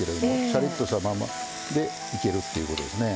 シャリッとしたままでいけるっていうことですね。